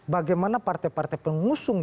bagaimana partai partai pengusung